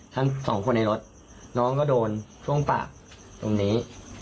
ทั้งสองคนในรถน้องก็โดนช่วงปากตรงนี้